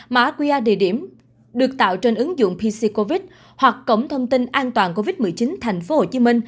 mã qr địa điểm được tạo trên ứng dụng pc covid hoặc cổng thông tin an toàn covid một mươi chín tp hcm